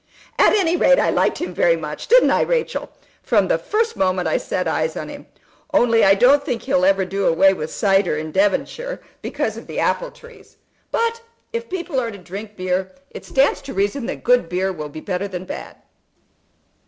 "At any rate I liked him very much; didn't I, Rachel? from the first moment I set eyes on him. Only I don't think he'll ever do away with cider in Devonshire, because of the apple trees. But if people are to drink beer it stands to reason that good beer will be better than bad."